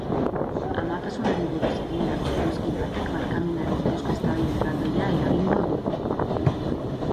Amatasunari buruz egindako iruzkin batek barkamenari buruzko eztabaida erraldoia eragingo du.